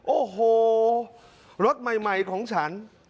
โอ้โหรถใหม่ของฉัน